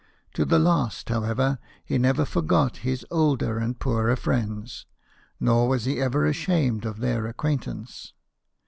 To the last, however, he never forgot his older and poorer friends, nor was he ever ashamed of their acquaintance.